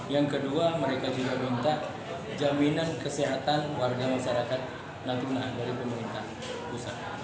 yang kedua mereka juga minta jaminan kesehatan warga masyarakat nanti menahan dari pemerintah pusat